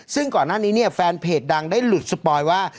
ซึ่งก่อนหน้านี้เนี่ยแฟนเพจดังได้หลุดสปอยว่า